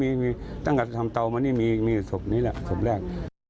มีตั้งแต่ทำเตามานี่มีศพนี้แหละศพแรก